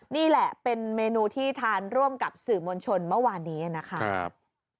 นี่แหละเป็นเมนูที่ทานร่วมกับสื่อมวลชนเมื่อวานนี้นะครับ